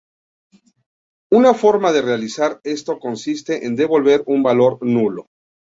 Una forma de realizar esto consiste en devolver un valor "nulo".